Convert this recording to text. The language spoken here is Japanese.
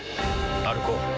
歩こう。